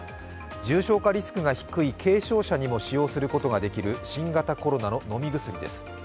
重症化リスクが低い軽症者にも使用することができる新型コロナの飲み薬です。